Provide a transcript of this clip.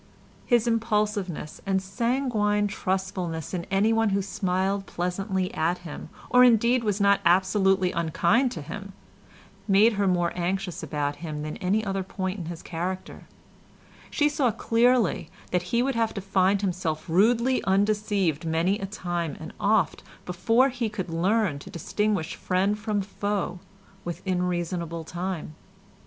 His impulsiveness and sanguine trustfulness in anyone who smiled pleasantly at him, or indeed was not absolutely unkind to him, made her more anxious about him than any other point in his character; she saw clearly that he would have to find himself rudely undeceived many a time and oft, before he would learn to distinguish friend from foe within reasonable time.